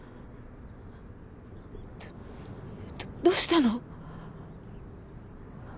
どどうしたの？